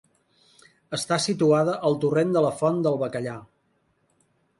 Està situada al torrent de la font del Bacallà.